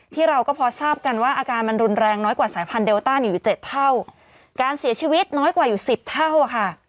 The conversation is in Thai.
เราก็พอทราบกันว่าอาการมันรุนแรงน้อยกว่าสายพันธุเดลต้านอยู่เจ็ดเท่าการเสียชีวิตน้อยกว่าอยู่สิบเท่าอ่ะค่ะ